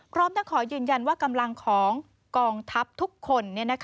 พร้อมทั้งขอยืนยันว่ากำลังของกองทัพทุกคน